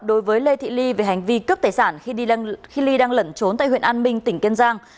đối với lê thị ly về hành vi cướp tài sản khi ly đang lẩn trốn tại huyện an minh tỉnh kiên giang